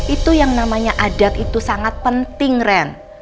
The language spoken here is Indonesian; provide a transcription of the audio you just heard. itu yang namanya adat itu sangat penting ren